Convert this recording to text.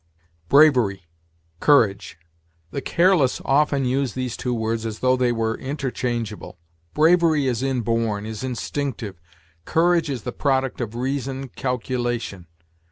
BRAVERY COURAGE. The careless often use these two words as though they were interchangeable. Bravery is inborn, is instinctive; courage is the product of reason, calculation.